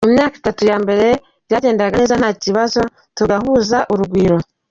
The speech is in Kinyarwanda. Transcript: Mu myaka itatu ya mbere byagendaga neza nta kibazo, tugahuza urugwiro.